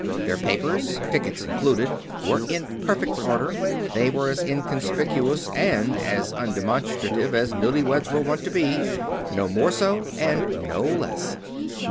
Their papers, tickets included, were in perfect order; they were as inconspicuous and as undemonstrative as newlyweds are wont to be. No more so, and no less.